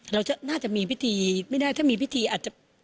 เราน่าจะมีพิธีไม่ได้ถ้ามีพิธีอาจจะ